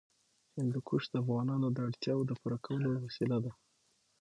هندوکش د افغانانو د اړتیاوو د پوره کولو وسیله ده.